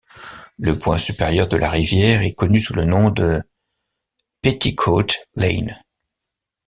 Le point supérieur de la rivière est connu sous le nom de “Petticoat lane”.